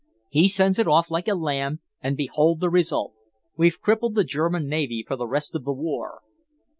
He sends it off like a lamb and behold the result! We've crippled the German Navy for the rest of the war."